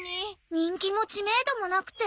人気も知名度もなくて。